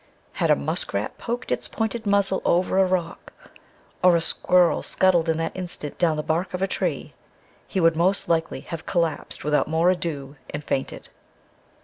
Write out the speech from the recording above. Had a muskrat poked its pointed muzzle over a rock, or a squirrel scuttled in that instant down the bark of a tree, he would most likely have collapsed without more ado and fainted.